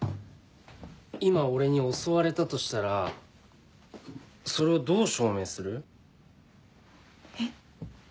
今俺に襲われたとしたらそれをどう証明する？え？